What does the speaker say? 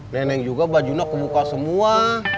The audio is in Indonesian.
nenek juga bajunya kebuka semua